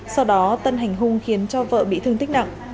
sau đó tân hành hung khiến cho vợ bị thương tích nặng